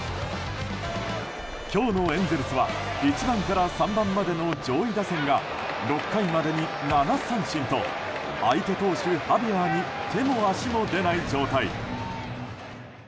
今日のエンゼルスは１番から３番までの上位打線が６回までに７三振と相手投手ハビアーに手も足も出ない状態。